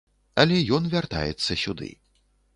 Але ён вяртаецца сюды.